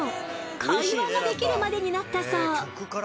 会話ができるまでになったそう。